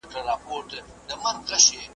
خپلو بچوړو ته په زرو سترګو زرو ژبو .